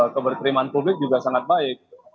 keberterimaan publik juga sangat baik